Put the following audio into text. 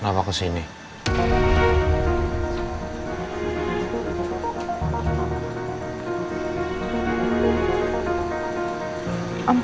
jangan lupa like share dan subscribe ya